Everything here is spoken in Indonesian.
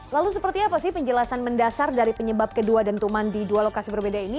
lalu seperti apa sih penjelasan mendasar dari penyebab kedua dentuman di dua lokasi berbeda ini